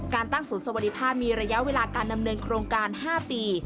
การตั้งศูนย์สวัสดิภาพมีระยะเวลาการดำเนินโครงการ๕ปี